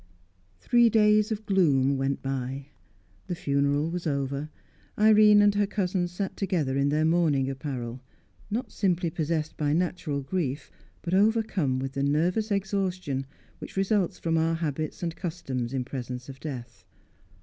Three days of gloom went by; the funeral was over; Irene and her cousin sat together in their mourning apparel, not simply possessed by natural grief, but overcome with the nervous exhaustion which results from our habits and customs in presence of death.